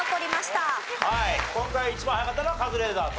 今回一番早かったのはカズレーザーと。